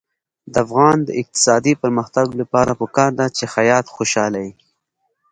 د افغانستان د اقتصادي پرمختګ لپاره پکار ده چې خیاط خوشحاله وي.